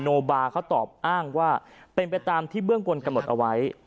โนบาเขาตอบอ้างว่าเป็นไปตามที่เบื้องบนกำหนดเอาไว้